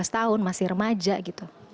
lima belas tahun masih remaja gitu